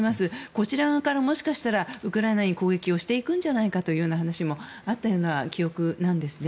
こちら側からもしかしたらウクライナに攻撃をしていくんじゃないかという話もあったような記憶なんですね。